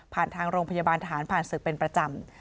ทางโรงพยาบาลทหารผ่านศึกเป็นประจำ